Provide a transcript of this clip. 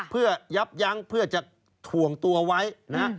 เพื่อยับยั้งเพื่อจะถ่วงตัวไว้นะฮะ